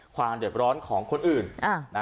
ความเดือดร้อนของคนอื่น